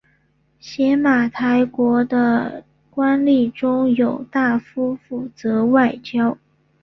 邪马台国的官吏中有大夫负责外交。